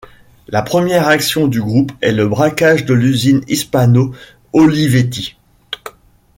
La première action du groupe est le braquage de l'usine Hispano-Olivetti.